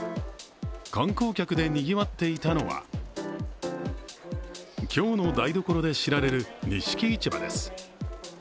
観光客でにぎわっていたのは京の台所で知られる錦市場です。